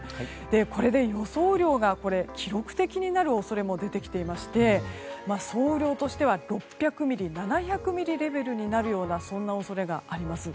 これで予想雨量が記録的になる恐れも出てきていまして総雨量としては６００ミリ、７００ミリレベルになるような恐れがあります。